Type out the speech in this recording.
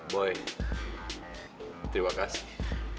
boy terima kasih